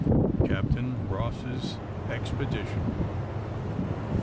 CAPTAIN ROSS'S EXPEDITION.